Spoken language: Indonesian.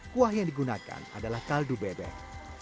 kuah yang digunakan adalah kaldu bebek